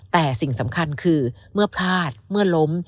แต่สิ่งสำคัญคือเมื่อพลาดเมื่อล้ม